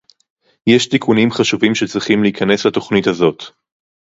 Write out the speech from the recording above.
יש תיקונים חשובים שצריכים להכניס לתוכנית הזאת